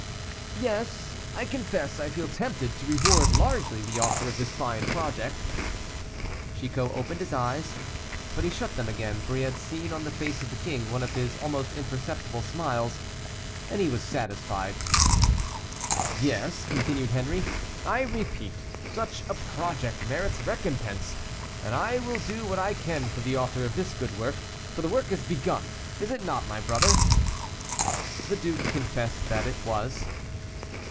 "Yes, I confess I feel tempted to reward largely the author of this fine project." Chicot opened his eyes, but he shut them again, for he had seen on the face of the king one of his almost imperceptible smiles, and he was satisfied. "Yes," continued Henri, "I repeat such a project merits recompense, and I will do what I can for the author of this good work, for the work is begun is it not, my brother?" The duke confessed that it was.